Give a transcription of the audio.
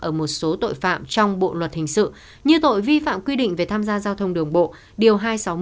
ở một số tội phạm trong bộ luật hình sự như tội vi phạm quy định về tham gia giao thông đường bộ điều hai trăm sáu mươi một